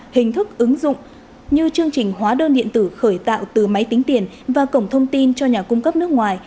hình thức ứng dụng như chương trình hóa đơn điện tử khởi tạo từ máy tính tiền và cổng thông tin cho nhà cung cấp nước ngoài